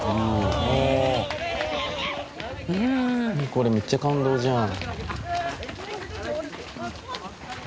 これめっちゃ感動じゃん。